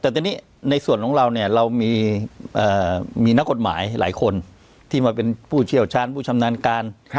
แต่ตอนนี้ในส่วนของเราเนี่ยเรามีนักกฎหมายหลายคนที่มาเป็นผู้เชี่ยวชาญผู้ชำนาญการ